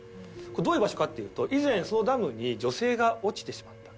どういう場所かっていうと以前そのダムに女性が落ちてしまった。